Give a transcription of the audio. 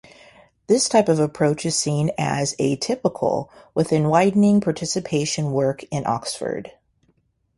This type of approach is seen as atypical within widening participation work in Oxford.